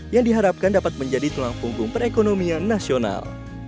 yang diharapkan dapat menjadi tulang punggung perekonomian nasional